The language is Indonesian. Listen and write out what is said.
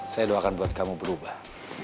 saya doakan buat kamu berubah